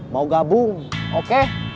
mau gabung oke